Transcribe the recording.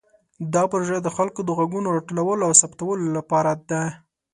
دا پروژه د خلکو د غږونو راټولولو او ثبتولو لپاره ده.